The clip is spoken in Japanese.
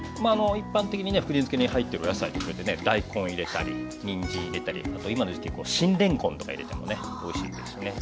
一般的にね福神漬に入ってるお野菜大根入れたりにんじん入れたりあと今の時期新れんこんとか入れてもねおいしいですね。